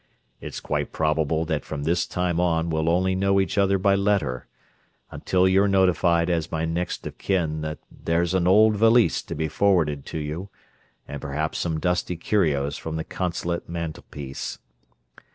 "It's quite probable that from this time on we'll only know each other by letter—until you're notified as my next of kin that there's an old valise to be forwarded to you, and perhaps some dusty curios from the consulate mantelpiece.